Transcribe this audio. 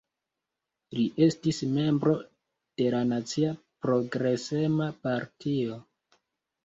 Li estis membro de la Nacia Progresema Partio.